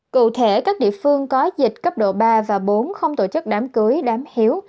cụ thể các địa phương có dịch cấp độ ba và bốn không tổ chức đám cưới đám hiếu